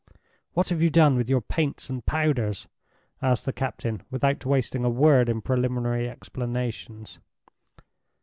"What have you done with your paints and powders?" asked the captain, without wasting a word in preliminary explanations.